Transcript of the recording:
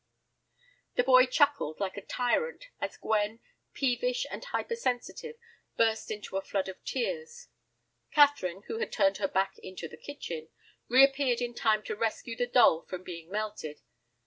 The boy chuckled like a tyrant as Gwen, peevish and hypersensitive, burst into a flood of tears. Catherine, who had turned back into the kitchen, reappeared in time to rescue the doll from being melted.